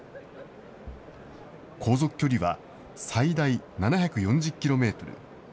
航続距離は最大７４０キロメートル。